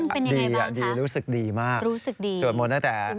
เป็นยังไงบ้างคะรู้สึกดีมากสวดมนต์นั้นแต่